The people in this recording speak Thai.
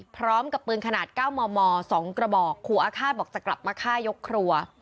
พร้อมกับปืนขนาด๙มม๒กระบอกครูอาฆาตบอกจะกลับมาฆ่ายกครัว